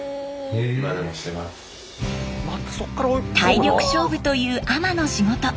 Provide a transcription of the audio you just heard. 体力勝負という海人の仕事。